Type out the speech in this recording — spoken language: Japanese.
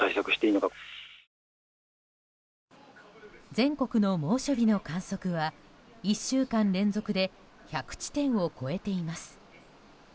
全国の猛暑日の観測は１週間連続で１００地点を超えています。